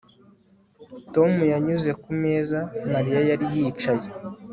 Tom yanyuze ku meza Mariya yari yicaye